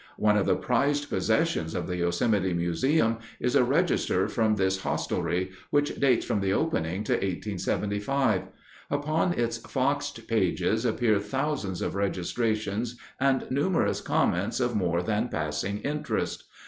One of the prized possessions of the Yosemite Museum is a register from this hostelry, which dates from the opening to 1875. Upon its foxed pages appear thousands of registrations and numerous comments of more than passing interest.